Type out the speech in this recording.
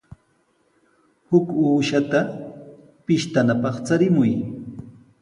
Huk uushata pishtanapaq charimuy.